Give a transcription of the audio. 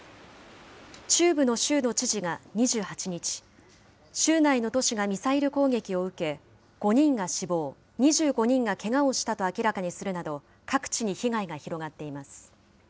中部の州の知事が２８日、州内の都市がミサイル攻撃を受け、５人が死亡、２５人がけがをしたと明らかにするなど、各地に被害が広がっています。